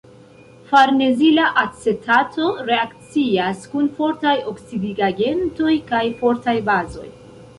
Farnezila acetato reakcias kun fortaj oksidigagentoj kaj fortaj bazoj.